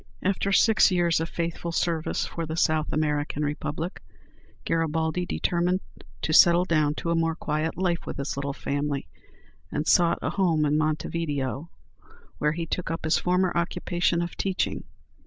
After six years of faithful service for the South American Republic, Garibaldi determined to settle down to a more quiet life, with his little family, and sought a home at Montevideo, where he took up his former occupation of teaching.